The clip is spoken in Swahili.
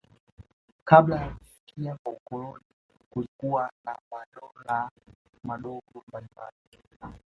Kabla ya kufika kwa ukoloni kulikuwa na madola madogo mbalimbali